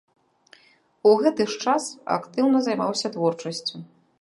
У гэты ж час актыўна займаўся творчасцю.